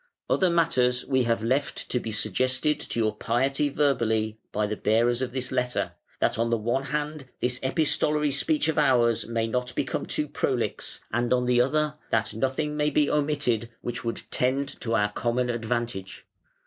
"Other matters we have left to be suggested to your Piety verbally by the bearers of this letter, that on the one hand this epistolary speech of ours may not become too prolix, and on the other that nothing may be omitted which would tend to our common advantage".